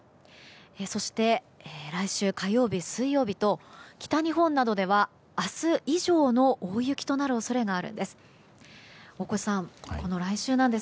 そして、来週火曜日、水曜日と北日本などでは明日以上の大雪となる恐れがあるんです。